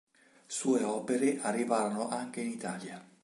Sue opere arrivarono anche in Italia.